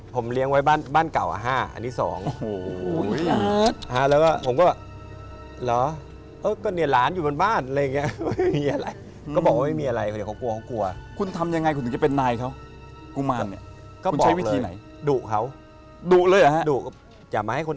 ผมเลี้ยงไว้บ้านเก่าอะ๕อันนี้๒